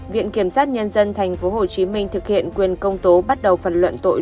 viện kiểm sát nhân dân tp hcm thực hiện quyền công tố bắt đầu phần luận tội